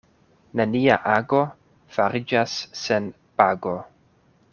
Nenia ago fariĝas sen pago.